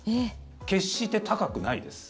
決して高くないです。